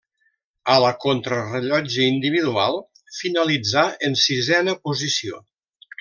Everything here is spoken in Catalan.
A la contrarellotge individual finalitzà en sisena posició.